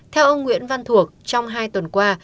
theo ông nguyễn văn thuộc trong hai tuần qua